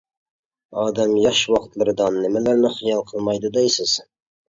ئادەم ياش ۋاقىتلىرىدا نېمىلەرنى خىيال قىلمايدۇ، دەيسىز.